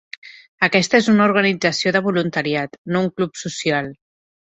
Aquesta és una organització de voluntariat, no un club social.